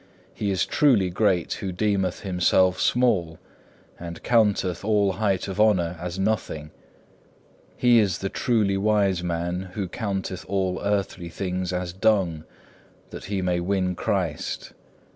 He is truly great who deemeth himself small, and counteth all height of honour as nothing. He is the truly wise man, who counteth all earthly things as dung that he may win Christ.